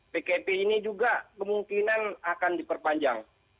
pkp ini juga kemungkinan akan diperpanjang